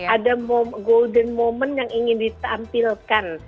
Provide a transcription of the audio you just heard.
ada golden moment yang ingin ditampilkan